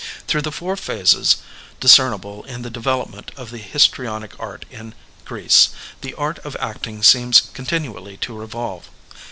Through the four phases discernible in the devel opment of the histrionic art in Oreece, the art of acting seems continually to revolve.